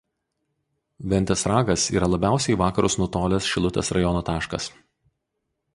Ventės ragas yra labiausiai į vakarus nutolęs Šilutės rajono taškas.